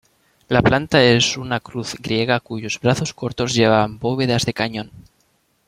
La planta es una cruz griega cuyos brazos cortos llevan bóvedas de cañón.